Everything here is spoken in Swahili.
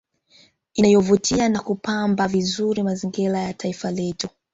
Inayovutia na kupamba vizuri mazingira ya taifa letu